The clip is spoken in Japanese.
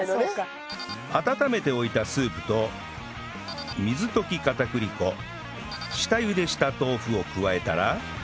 温めておいたスープと水溶き片栗粉下茹でした豆腐を加えたら